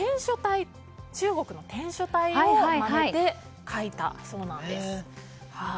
中国の篆書体をまねて書いたそうなんです。